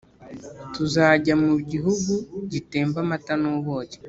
tuzajya mu igihugu gitemba amata n ubuki